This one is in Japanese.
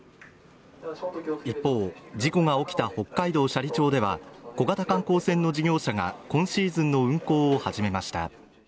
一方事故が起きた北海道斜里町では小型観光船の事業者が今シーズンの運航を始めました